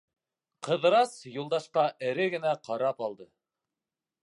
Ҡыҙырас Юлдашҡа эре генә ҡарап алды.